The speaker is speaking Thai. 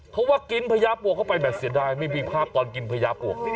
เขาว่ากินพญาปวกเข้าไปแบบเสียดายไม่มีภาพตอนกินพญาปวก